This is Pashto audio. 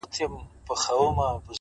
گرانه دا اوس ستا د ځوانۍ په خاطر _